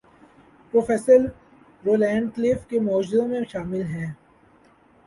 Professor Roland Clift کے موجدوں میں شامل ہیں۔